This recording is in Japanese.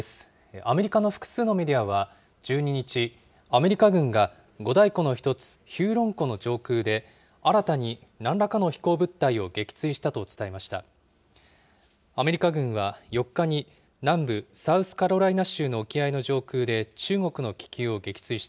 アメリカの複数のメディアは１２日、アメリカ軍が五大湖の一つ、ヒューロン湖の上空で、新たになんらかの飛行物体を撃墜したと伝えました。